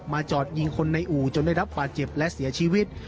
จอดยิงคนในอู่จนได้รับบาดเจ็บและเสียชีวิต